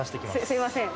すいません。